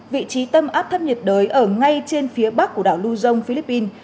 vị trí tâm áp thấp nhiệt đới ở ngay trên phía bắc của đảo luzon philippines